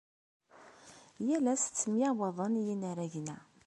Yal ass ttemyawaḍen yinaragen-a.